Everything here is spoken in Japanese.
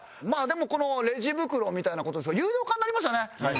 まあでもこのレジ袋みたいな事ですけど有料化になりましたね。